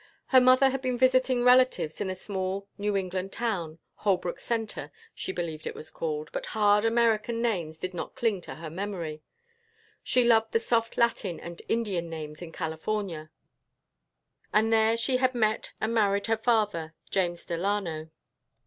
Her mother had been visiting relatives in a small New England town Holbrook Centre, she believed it was called, but hard American names did not cling to her memory she loved the soft Latin and Indian names in California and there she had met and married her father, James Delano.